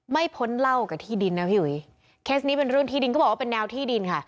พ้นเหล้ากับที่ดินนะพี่หุยเคสนี้เป็นเรื่องที่ดินก็บอกว่าเป็นแนวที่ดินค่ะ